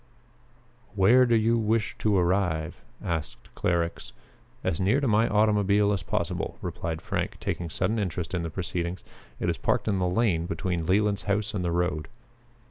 "Where do you wish to arrive?" asked Clarux. "As near to my automobile as possible," replied Frank, taking sudden interest in the proceedings. "It is parked in the lane between Leland's house and the road."